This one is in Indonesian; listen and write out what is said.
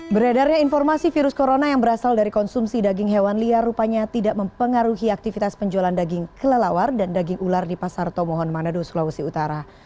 beredarnya informasi virus corona yang berasal dari konsumsi daging hewan liar rupanya tidak mempengaruhi aktivitas penjualan daging kelelawar dan daging ular di pasar tomohon manado sulawesi utara